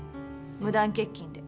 無断欠勤で。